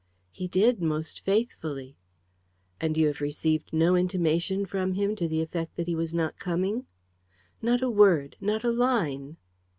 "He did most faithfully." "And you have received no intimation from him to the effect that he was not coming?" "Not a word not a line!"